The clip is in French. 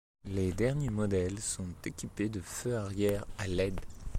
Les derniers modèles sont équipés de feux arrière à led.